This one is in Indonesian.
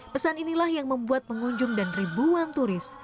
pesan inilah yang membuat pengunjung dan ribuan turis